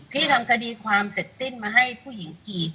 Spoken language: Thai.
พี่ทำคดีความเสร็จสิ้นมาให้ผู้หญิงกี่